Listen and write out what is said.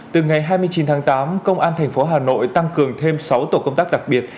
từ ngày hai mươi chín tháng tám công an thành phố hà nội tăng cường thêm sáu tổ công tác đặc biệt